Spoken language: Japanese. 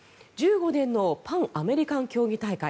１５年のパンアメリカン競技大会